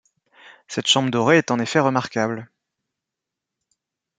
Cette chambre dorée est en effet remarquable.